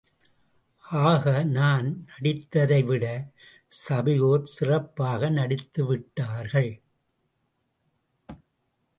ஆக நான் நடித்ததைவிட சபையோர் சிறப்பாக நடித்து விட்டார்கள்.